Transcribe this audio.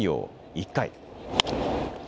１回。